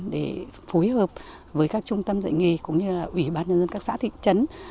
để phối hợp với các trung tâm dạy nghề cũng như là ủy ban nhân dân các xã thị trấn